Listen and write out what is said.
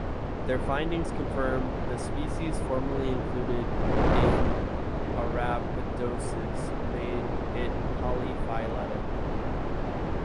Their findings confirm the species formerly included in "Arabidopsis" made it polyphyletic.